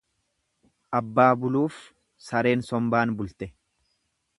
Abbaa buluuf sareen sonbaan bulte.